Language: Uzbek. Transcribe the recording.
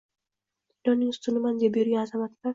Dunyoning ustuniman, deb yurgan azamatlar